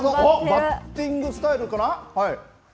バッティングスタイルかな。